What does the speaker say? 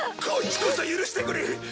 こっちこそ許してくれ！